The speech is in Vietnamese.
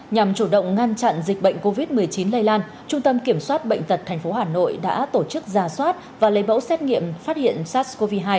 nhằm chủ động ngăn chặn dịch bệnh covid một mươi chín lây lan trung tâm kiểm soát bệnh tật tp hà nội đã tổ chức ra soát và lấy mẫu xét nghiệm phát hiện sars cov hai